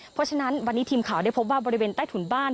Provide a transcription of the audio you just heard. เพราะฉะนั้นวันนี้ทีมข่าวได้พบว่าบริเวณใต้ถุนบ้าน